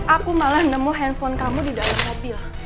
aku malah nemu handphone kamu di dalam mobil